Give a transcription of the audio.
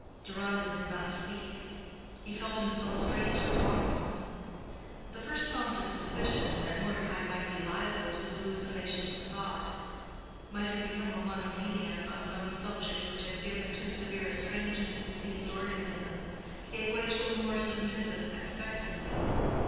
Deronda did not speak. He felt himself strangely wrought upon. The first prompted suspicion that Mordecai might be liable to hallucinations of thought—might have become a monomaniac on some subject which had given too severe a strain to his diseased organism—gave way to a more submissive expectancy.